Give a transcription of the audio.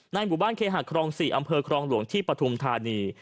หมู่บ้านเคหาครอง๔อำเภอครองหลวงที่ปฐุมธานี